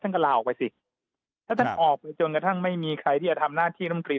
ก็ลาออกไปสิถ้าท่านออกไปจนกระทั่งไม่มีใครที่จะทำหน้าที่น้ำตรี